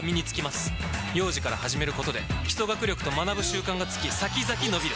幼児から始めることで基礎学力と学ぶ習慣がつき先々のびる！